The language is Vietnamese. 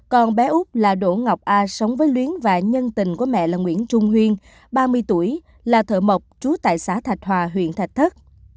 còn bé úc là đỗ ngọc a sống với luyến và nhân tình của mẹ là nguyễn trung huyên ba mươi tuổi là thợ mộc trú tại xã thạch hòa huyện thạch thất